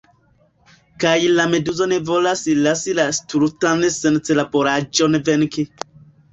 Kaj la meduzo ne volas lasi la stultan sencerbaĵon venki.